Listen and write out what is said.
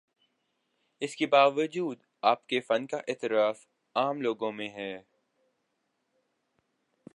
اس کے باوجود آپ کے فن کا اعتراف عام لوگوں میں ہے۔